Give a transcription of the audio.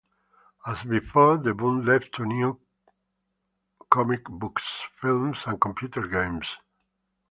As before, the boom led to new comic books, films and computer games.